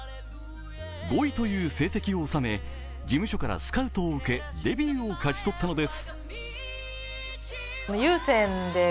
５位という成績を収め、事務所からスカウトを受けデビューをかち取ったのです。